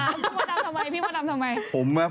พี่มดดำทำไม